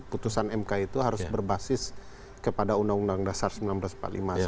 putusan mk itu harus berbasis kepada undang undang dasar seribu sembilan ratus empat puluh lima